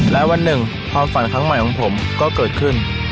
และวันหนึ่งความฝันครั้งใหม่ของผมก็เกิดขึ้น